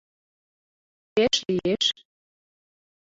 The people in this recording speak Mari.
Пеш лиеш.